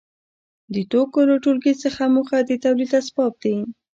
د توکو له ټولګې څخه موخه د تولید اسباب دي.